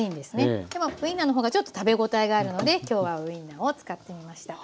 でもウインナーの方がちょっと食べ応えがあるので今日はウインナーを使ってみました。